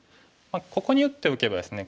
ここに打っておけばですね